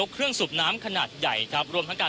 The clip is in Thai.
คุณทัศนาควดทองเลยค่ะ